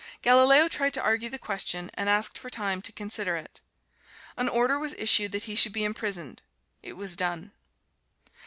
Galileo tried to argue the question and asked for time to consider it. An order was issued that he should be imprisoned. It was done.